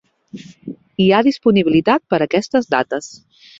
Hi ha disponibilitat per aquestes dates.